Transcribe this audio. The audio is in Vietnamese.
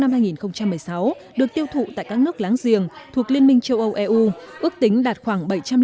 năm hai nghìn một mươi sáu được tiêu thụ tại các nước láng giềng thuộc liên minh châu âu eu ước tính đạt khoảng